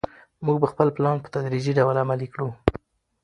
موږ به خپل پلان په تدریجي ډول عملي کړو.